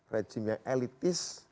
regime yang elitis